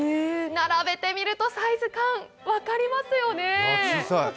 並べてみるとサイズ感、分かりますよね。